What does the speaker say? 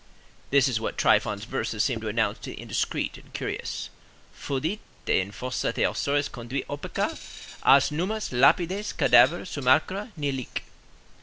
This is what Tryphon's verses seem to announce to the indiscreet and curious:— "Fodit, et in fossa thesauros condit opaca, As, nummas, lapides, cadaver, simulacra, nihilque."